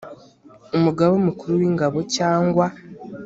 umugaba mukuru w ingabo cyangwa